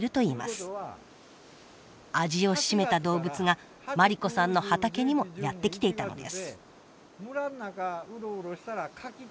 味を占めた動物が万里子さんの畑にもやって来ていたのです。